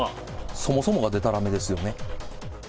そもそもがでたらめですよね。